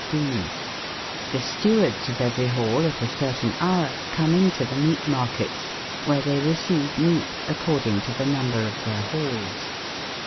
Xl^be stewardes of everye balle at a certayne boure come in to tbe meate markettes, wbere tbey receyve meate ac cordinge to tbe number of tbeir balles.